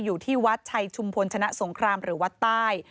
อยู่ที่วัดชัยชุมพลชนะสงครามหรือวัดใต้